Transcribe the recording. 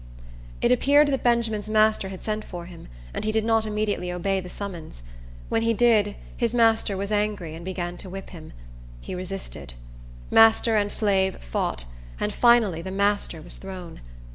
It appeared that Benjamin's master had sent for him, and he did not immediately obey the summons. When he did, his master was angry, and began to whip him. He resisted. Master and slave fought, and finally the master was thrown.